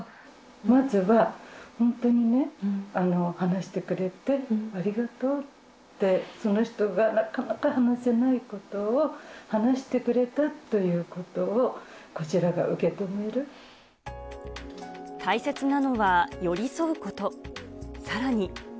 まずは本当にね、話してくれてありがとうって、その人がなかなか話せないことを話してくれたということをこちら大切なのは寄り添うこと。